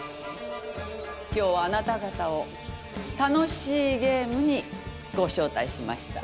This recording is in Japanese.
今日はあなた方を楽しいゲームにご招待しました。